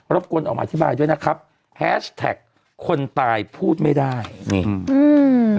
บกวนออกมาอธิบายด้วยนะครับแฮชแท็กคนตายพูดไม่ได้นี่อืมอืม